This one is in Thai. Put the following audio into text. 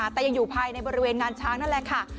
แต่ยังอยู่ภายในบริเวณงานช้างนั่นแหละค่ะ